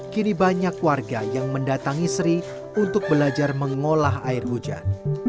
kini banyak warga yang mendatangi sri untuk belajar mengolah air hujan